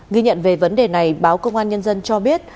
ghi nhận về vấn đề này báo công an nhân dân cho biết